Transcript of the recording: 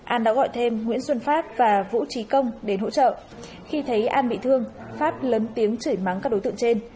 an đã gọi thêm nguyễn xuân pháp và vũ trí công đến hỗ trợ khi thấy an bị thương pháp lớn tiếng chửi mắng các đối tượng trên